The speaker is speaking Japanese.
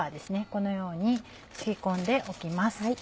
このように敷き込んでおきます。